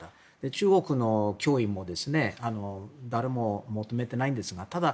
中国の脅威も誰も求めていないんですがただ、